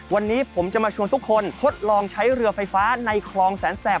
วันนี้ผมจะมาชวนทุกคนทดลองใช้เรือไฟฟ้าในคลองแสนแสบ